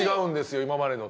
今までのと。